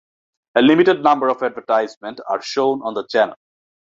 A limited number of advertisements are shown on the channel.